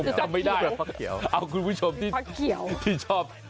ผมจำไม่ได้เอ้าคุณผู้ชมที่ชอบ